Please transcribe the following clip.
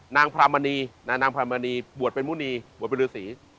นางพรามณีนางพรามณีบวชเป็นมุณีบวชเป็นฤษี